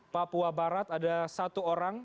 papua barat ada satu orang